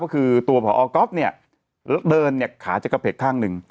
ก็คือตัวพอก๊อฟเนี่ยเดินเนี่ยขาจะกระเพกข้างหนึ่ง